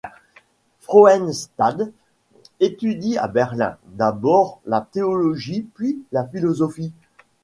Frauenstädt étudie à Berlin d'abord la théologie puis la philosophie.